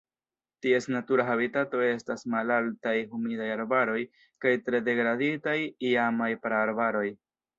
Ties natura habitato estas malaltaj humidaj arbaroj kaj tre degraditaj iamaj praarbaroj.